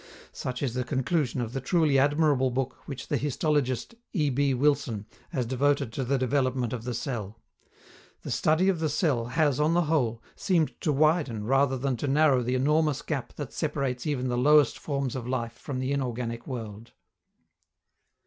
Such is the conclusion of the truly admirable book which the histologist E.B. Wilson has devoted to the development of the cell: "The study of the cell has, on the whole, seemed to widen rather than to narrow the enormous gap that separates even the lowest forms of life from the inorganic world.